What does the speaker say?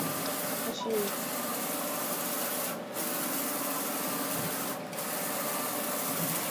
这是一个以荷兰语为官方语言的国家和地区的列表。